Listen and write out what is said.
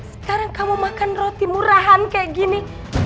sekarang kamu makan roti murahan kayak gini